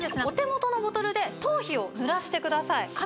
お手元のボトルで頭皮をぬらしてください